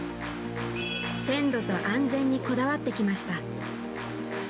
鮮度と安全にこだわってきました。